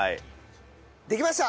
できました！